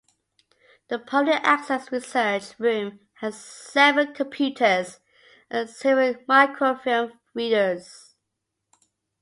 The public access research room has seven computers and several microfilm readers.